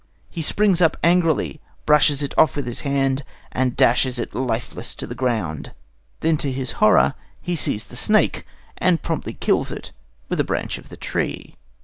He springs up angrily, brushes it off with his hand, and dashes it lifeless to the ground. Then, to his horror, he sees the snake, and promptly kills it with the branch of a tree.